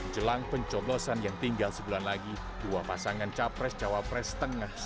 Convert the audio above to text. jelang pencobosan yang tinggal sebulan lagi dua pasangan jokowi maru merupakan suara yang sangat menarik